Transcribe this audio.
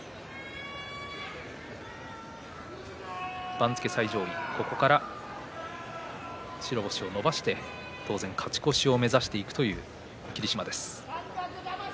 番付最上位、ここから白星を伸ばして当然、勝ち越しを目指していくという霧島です。